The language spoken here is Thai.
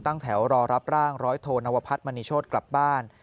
ตั้งแถวรอรับร่างร้อยโทนวพัฒนมณีโชธกลับบ้าน